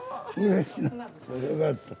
よかった。